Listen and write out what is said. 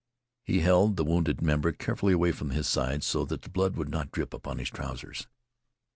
He held the wounded member carefully away from his side so that the blood would not drip upon his trousers.